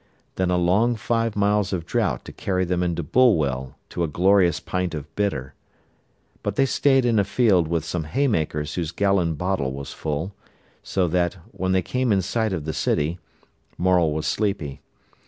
Then a long five miles of drought to carry them into Bulwell to a glorious pint of bitter. But they stayed in a field with some haymakers whose gallon bottle was full, so that, when they came in sight of the city, Morel was sleepy.